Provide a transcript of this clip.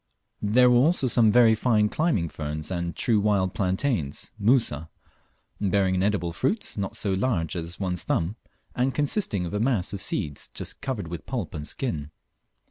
There were also some very fine climbing ferns and true wild Plantains (Musa), bearing an edible fruit not so large as one's thumb, and consisting of a mass of seeds just covered with pulp and skin.